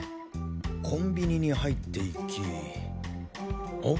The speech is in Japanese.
コンビニに入っていきん？